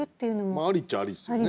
まあありっちゃありですよね。